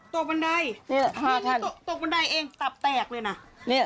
บันไดที่ตกบันไดเองตับแตกเลยนะ